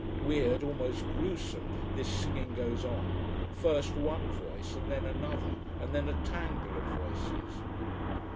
Weird, almost gruesome this singing goes on, first one voice and then another and then a tangle of voices.